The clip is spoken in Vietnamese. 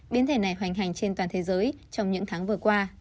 biến thể này hoành hành trên toàn thế giới trong những tháng vừa qua